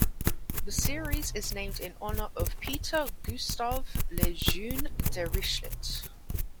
The series is named in honor of Peter Gustav Lejeune Dirichlet.